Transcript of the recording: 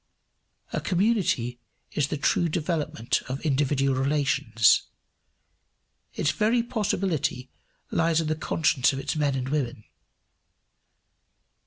A community is the true development of individual relations. Its very possibility lies in the conscience of its men and women.